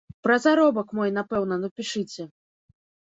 Пра заробак мой, напэўна, напішыце.